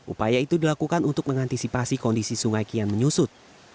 upaya itu dilakukan untuk mengantisipasi kondisi sungai kian menyusut